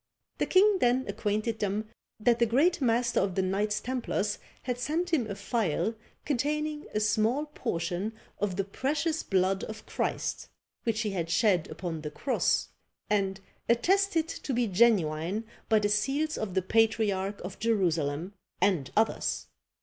The king then acquainted them that the great master of the Knights Templars had sent him a phial containing a small portion of the precious blood of Christ which he had shed upon the cross; and attested to be genuine by the seals of the patriarch of Jerusalem and others!